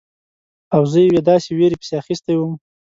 او زه یوې داسې ویرې پسې اخیستی وم.